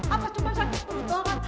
apa cuma sakit perut doangan